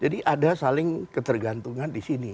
jadi ada saling ketergantungan di sini